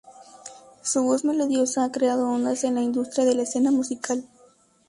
Su voz melodiosa ha creado ondas en la industria de la escena musical.